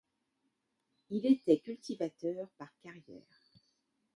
Il était cultivateur par carrière.